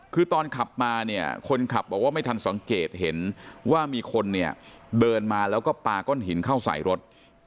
คือตอนขับมาเนี่ยคนขับบอกว่าไม่ทันสังเกตเห็นว่ามีคนเนี่ยเดินมาแล้วก็ปาก้อนหินเข้าใส่รถ